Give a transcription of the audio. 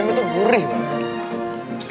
ayamnya tuh gurih banget